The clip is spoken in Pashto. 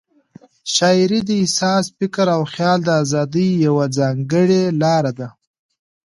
شاعري د احساس، فکر او خیال د آزادۍ یوه ځانګړې لار ده.